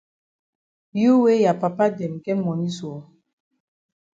You wey ya papa dem get moni so!